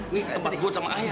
ini tempat gue sama ayah